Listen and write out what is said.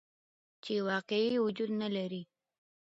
چې واقعي وجود نه لري.